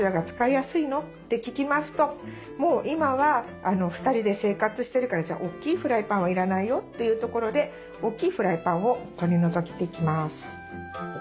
もう今は２人で生活してるから大きいフライパンは要らないよというところで大きいフライパンを取り除いていきます。